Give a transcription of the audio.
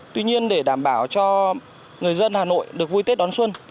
tuy nhiên để đảm bảo cho người dân hà nội được vui tết đón xuân